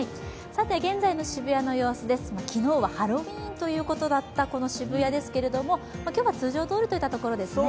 さて現在の渋谷の様子ですが昨日はハロウィーンということだった渋谷ですけれども、今日は通常どおりといったところですね。